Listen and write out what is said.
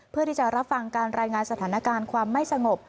เพื่อที่จะรับฟังการรายงานสถานการณ์ความไม่สงบ